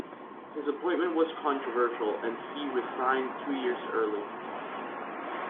His appointment was controversial and he resigned two years early.